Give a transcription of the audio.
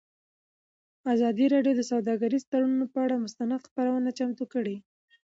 ازادي راډیو د سوداګریز تړونونه پر اړه مستند خپرونه چمتو کړې.